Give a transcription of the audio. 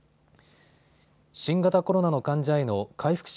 新型コロナの患者への回復者